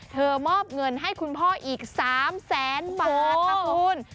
มอบเงินให้คุณพ่ออีก๓แสนบาทค่ะคุณ